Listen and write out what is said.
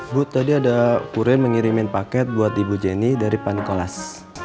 bu tadi ada puren mengirimin paket buat ibu jenny dari panikolas